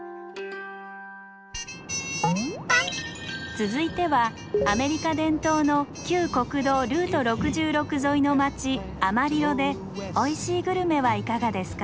続いてはアメリカ伝統の旧国道ルート６６沿いの町アマリロでおいしいグルメはいかがですか？